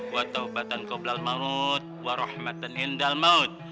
wa barokatan fil jasad